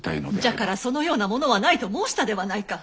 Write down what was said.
じゃからそのようなものはないと申したではないか！